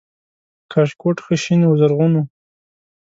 کاشکوټ ښه شین و زرغون و